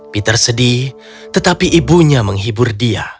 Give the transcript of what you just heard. peter sedih tetapi ibunya menghibur dia